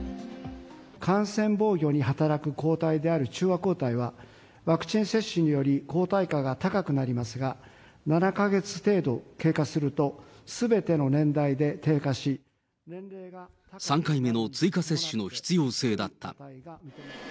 感染防御に働く抗体である中和抗体は、ワクチン接種により抗体価が高くなりますが、７か月程度経過する３回目の追加接種の必要性だった。